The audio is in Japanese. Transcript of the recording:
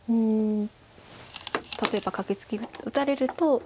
例えばカケツギ打たれると。